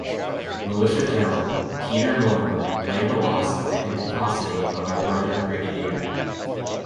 Militia general Peter Muhlenberg blamed the loss on the impetuosity of our brother Brigadier.